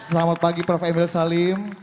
selamat pagi prof emil salim